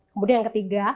kemudian yang ketiga